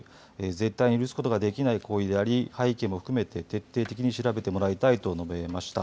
絶対に許すことができない行為であり背景も含めて徹底的に調べてもらいたいと述べました。